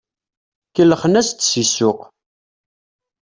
Kellxen-as-d si ssuq.